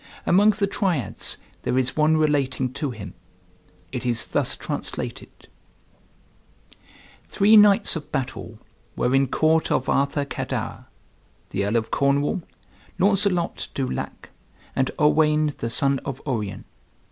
Among the Triads there is one relating to him; it is thus translated: "Three Knights of Battle were in court of Arthur Cadwr, the Earl of Cornwall, Launcelot du Lac, and Owain, the son of Urien.